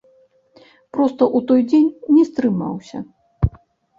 Проста ў той дзень не стрымаўся.